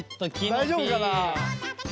大丈夫かな？